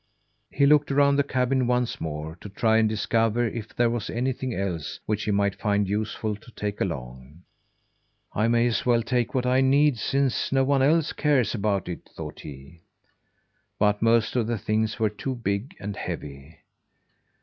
He looked around the cabin once more, to try and discover if there was anything else which he might find useful to take along. "I may as well take what I need, since no one else cares about it," thought he. But most of the things were too big and heavy.